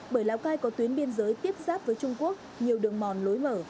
bởi lào cai có tuyến biên giới tiếp xác với trung quốc nhiều đường mòn lối mở